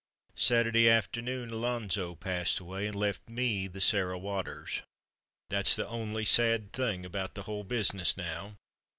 Saturday afternoon Alonzo passed away and left me the Sarah Waters. That's the only sad thing about the whole business now.